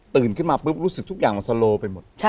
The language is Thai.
ขึ้นมาปุ๊บรู้สึกทุกอย่างมันสโลไปหมด